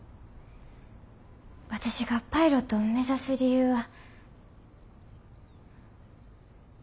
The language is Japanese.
私がパイロットを目指す理由は。